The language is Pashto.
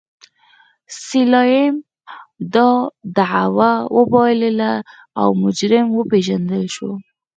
سلایم دا دعوه وبایلله او مجرم وپېژندل شو.